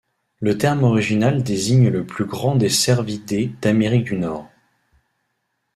Le terme orignal désigne le plus grand des cervidés d'Amérique du Nord.